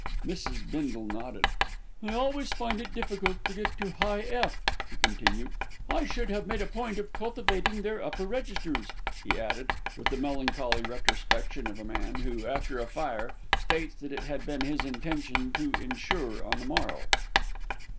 '" Mrs. Bindle nodded. "They always find it difficult to get high 'f'," he continued. "I should have made a point of cultivating their upper registers," he added, with the melancholy retrospection of a man who, after a fire, states that it had been his intention to insure on the morrow.